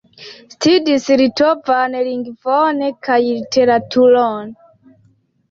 Studis litovan lingvon kaj literaturon.